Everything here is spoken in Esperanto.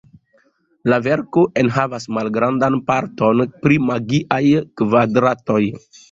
La verko enhavas malgrandan parton pri magiaj kvadratoj.